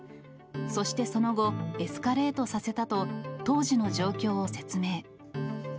そしてその後、エスカレートさせたと、当時の状況を説明。